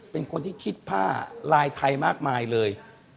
เป็นคนที่คิดผ้าลายไทยมากมายเลย